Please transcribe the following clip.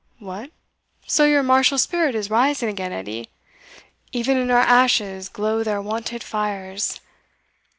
"What! so your martial spirit is rising again, Edie? Even in our ashes glow their wonted fires!